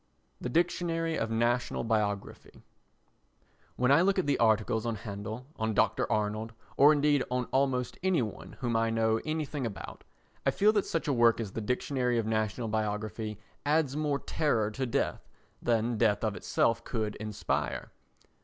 The Dictionary of National Biography When I look at the articles on Handel, on Dr. Arnold, or indeed on almost any one whom I know anything about, I feel that such a work as the Dictionary of National Biography adds more terror to death than death of itself could inspire.